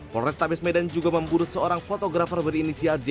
polres tabis medan juga memburu seorang fotografer berinisial j